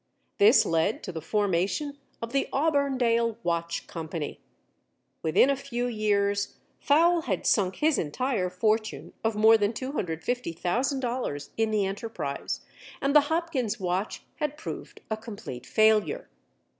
This led to the formation of the Auburndale Watch Company. Within a few years, Fowle had sunk his entire fortune of more than $250,000 in the enterprise, and the Hopkins watch had proved a complete failure.